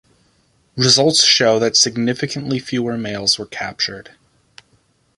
Results show that significantly fewer males were captured.